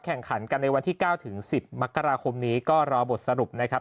แข่งขันกันในวันที่๙ถึง๑๐มกราคมนี้ก็รอบทสรุปนะครับ